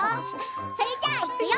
それじゃあ、いくよ！